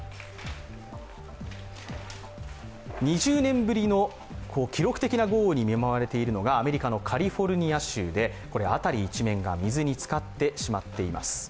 ２０年ぶりの記録的な豪雨に見舞われているのがアメリカのカリフォルニア州で、辺り一面が水につかってしまっています。